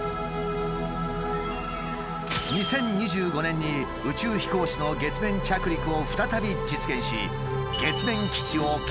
２０２５年に宇宙飛行士の月面着陸を再び実現し月面基地を建設。